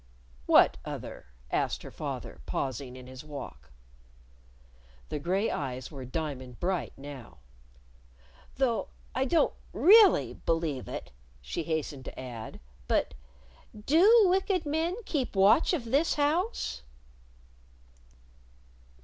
"What other?" asked her father, pausing in his walk. The gray eyes were diamond bright now. "Though I don't really believe it," she hastened to add. "But do wicked men keep watch of this house."